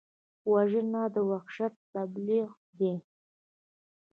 وژنه د وحشت تبلیغ دی